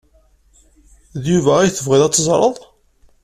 D Yuba ay tebɣiḍ ad teẓreḍ.